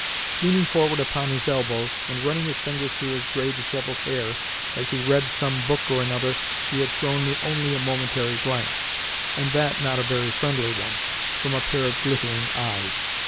Leaning forward upon his elbows, and running his fingers through his grey, dishevelled hair as he read some book or another, he had thrown me only a momentary glance and that not a very friendly one from a pair of glittering eyes.